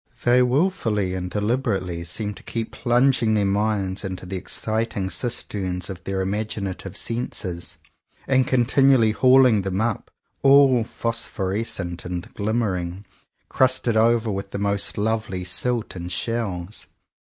They wilfully and deliberately seem to keep plunging their minds into the exciting cisterns of their imaginative senses, and continually hauling them up, all phosphor escent and glimmering — crusted over with the most lovely silt and shells.